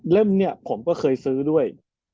แล้วเล่มนี้ผมก็เคยซื้อด้วย